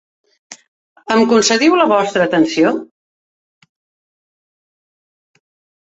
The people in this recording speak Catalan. Em concediu la vostra atenció?